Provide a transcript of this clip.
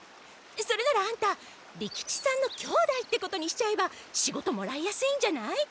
それならアンタ利吉さんの兄弟ってことにしちゃえば仕事もらいやすいんじゃない？